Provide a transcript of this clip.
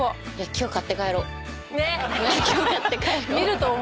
今日買って帰ろう。